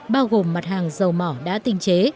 bao gồm mặt hàng dầu mỏ đã tinh chế